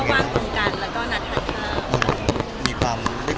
ไม่ค่ะปกติก็เรื่องงานเรื่องงานช่อง